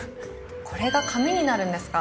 これが紙になるんですか？